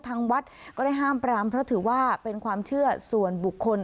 ทางวัดก็ได้ห้ามปรามเพราะถือว่าเป็นความเชื่อส่วนบุคคล